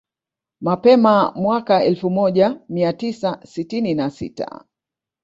Mapema mwaka elfu moja mia tisa sitini na sita